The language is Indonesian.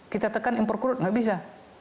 kita tekan impor crude gak bisa